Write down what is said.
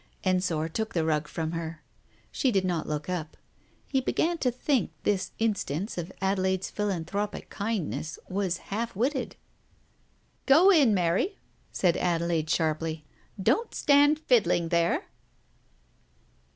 Ensor took the rug from her. She did not look up. He began to think this instance of Adelaide's philanthropic kindness was half witted. ... Digitized by Google THE TIGER SKIN 261 "Go in, Mary," said Adelaide sharply. "Don't stand fiddling there